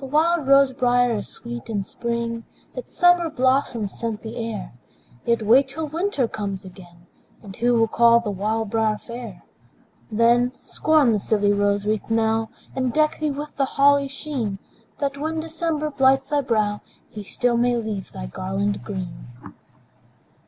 The wild rose briar is sweet in spring, Its summer blossoms scent the air; Yet wait till winter comes again, And who will call the wild briar fair? Then, scorn the silly rose wreath now, And deck thee with the holly's sheen, That, when December blights thy brow, He still may leave thy garland green.